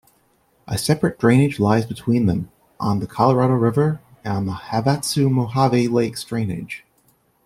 A separate drainage lies between them on the Colorado River, the "Havasu-Mohave Lakes Drainage".